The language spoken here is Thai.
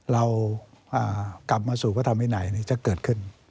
เรากลับมาสู่พระธรรมวินัยจะเกิดขึ้น